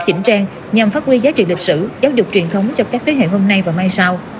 chỉnh trang nhằm phát huy giá trị lịch sử giáo dục truyền thống cho các thế hệ hôm nay và mai sau